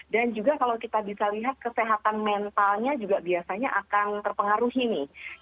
dan juga kalau kita bisa lihat kesehatan mentalnya juga biasanya akan terpengaruhi nih